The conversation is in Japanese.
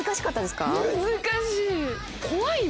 難しい。